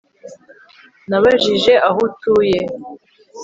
Nabajije aho atuye